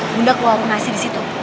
bunda keluarin nasi disitu